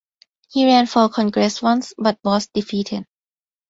He ran for Congress once but was defeated.